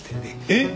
えっ？